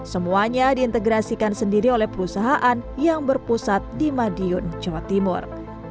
semuanya diintegrasikan sendiri oleh perusahaan yang berpusat di madiun jawa timur